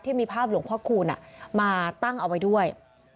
ที่มีภาพหลวงพ่อคูณมาตั้งเอาไว้ด้วย